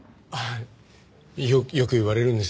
よく言われるんですよねえ。